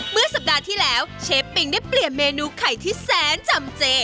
เมื่อสัปดาห์ที่แล้วเชฟปิงได้เปลี่ยนเมนูไข่ที่แสนจำเจ